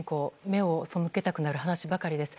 目をそむけたくなる話ばかりです。